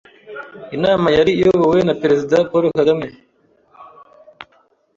inama yari iyobowe na Perezida Paul Kagame.